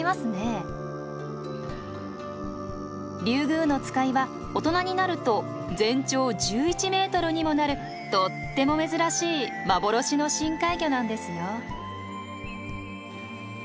リュウグウノツカイは大人になると全長１１メートルにもなるとっても珍しい幻の深海魚なんですよ。